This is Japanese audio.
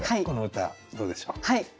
この歌どうでしょう。